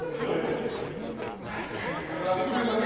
確かにこれは普通の剣。